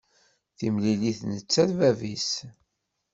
Timlilit netta d bab-is.